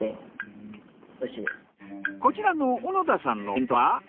こちらの小野田さんのお弁当は？